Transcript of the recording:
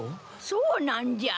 そうなんじゃ。